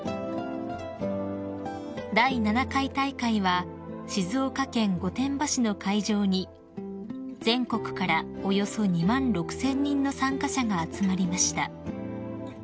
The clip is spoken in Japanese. ［第７回大会は静岡県御殿場市の会場に全国からおよそ２万６，０００人の参加者が集まりました］